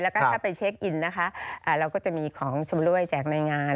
แล้วก็ถ้าไปเช็คอินนะคะเราก็จะมีของชำรวยแจกในงาน